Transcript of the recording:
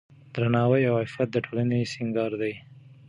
درناوی او عفت د ټولنې سینګار دی.